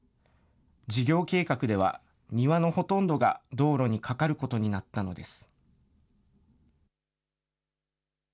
事業計画では、庭のほとんどが道路にかかることになったのです。